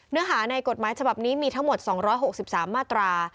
เนื้อหาในกฎหมายฉบับนี้มีทั้งหมด๒๖๓มาตรา